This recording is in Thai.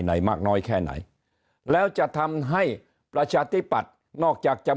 ไหนมากน้อยแค่ไหนแล้วจะทำให้ประชาธิปัตย์นอกจากจะ